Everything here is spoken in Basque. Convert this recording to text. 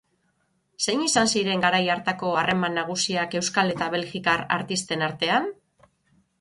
Zein izan ziren garai hartako harreman nagusiak euskal eta belgikar artisten artean?